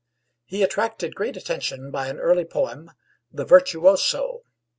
He attracted great attention by an early poem, 'The Virtuoso.'